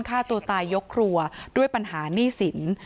ฆ่าตัวตายยกครัวด้วยปัญหาหนี้สิน